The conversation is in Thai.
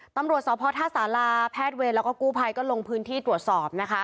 ตำรวจสพท่าสาราแพทย์เวรแล้วก็กู้ภัยก็ลงพื้นที่ตรวจสอบนะคะ